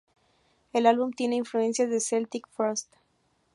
El álbum tiene influencias de Celtic Frost.